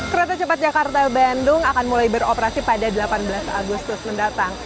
kereta cepat jakarta bandung akan mulai beroperasi pada delapan belas agustus mendatang